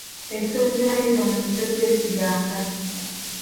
Ekisolo kye bayita omuntu tokyesiganga.